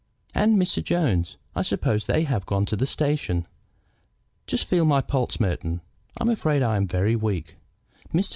"And Mr. Jones? I suppose they have not gone to the station. Just feel my pulse, Merton. I am afraid I am very weak." Mr.